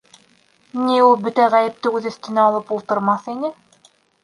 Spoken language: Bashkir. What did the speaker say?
Ни, ул бөтә ғәйепте үҙ өҫтөнә алып ултырмаҫ ине.